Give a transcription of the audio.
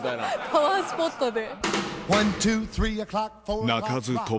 パワースポットで。